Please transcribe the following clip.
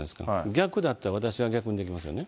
逆だったら私が逆にできますよね。